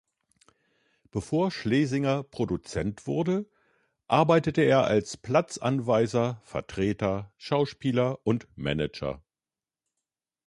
Bevor Schlesinger Produzent wurde, arbeitete er als Platzanweiser, Vertreter, Schauspieler und Manager.